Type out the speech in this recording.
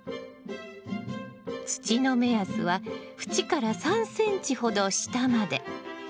土の目安は縁から３ｃｍほど下まで。